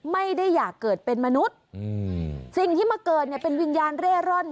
ไม่ได้อยากเกิดเป็นมนุษย์อืมสิ่งที่มาเกิดเนี่ยเป็นวิญญาณเร่ร่อน